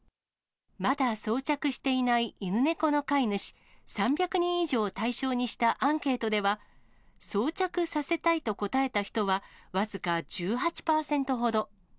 まだ装着していない犬、猫の飼い主３００人以上を対象にしたアンケートでは、装着させたいと答えた人は僅か１８％ほど。